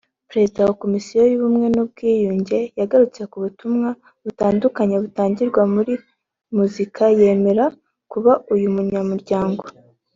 Perezida wa Komisiyo y’ubumwe n’Ubwiyunge yagarutse ku butumwa butandukanye butangirwa muri muzika yemera kuba uyu munyamuryango